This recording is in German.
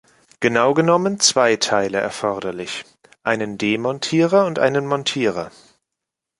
Genau genommen zwei Teile erforderlich: einen Demontierer und einen Montierer.